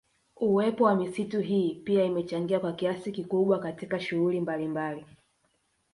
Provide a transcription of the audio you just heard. Uwepo wa misitu hii pia imechangia kwa kiasi kikubwa katika shughuli mbalimbali